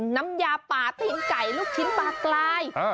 น้ำยาป่าตีนไก่ลูกชิ้นปลากลาย